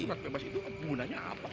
bebas itu gunanya apa